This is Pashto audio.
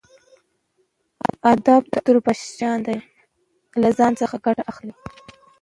ادب د عطرو په شان دی له ځانه ګټه اخلئ.